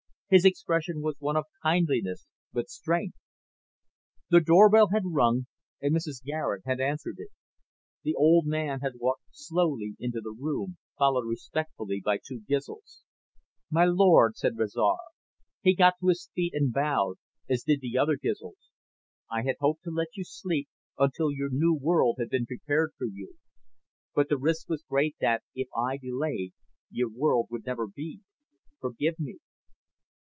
His expression was one of kindliness but strength. The doorbell had rung and Mrs. Garet had answered it. The old man had walked slowly into the room, followed respectfully by two Gizls. "My lord," said Rezar. He got to his feet and bowed, as did the other Gizls. "I had hoped to let you sleep until your new world had been prepared for you. But the risk was great that, if I delayed, your world would never be. Forgive me."